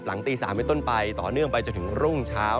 หลังตีสามไว้ต้นไปต่อเนื่องไปจนถึงรุ่งเช้า